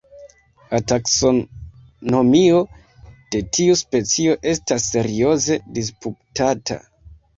La taksonomio de tiu specio estas serioze disputata.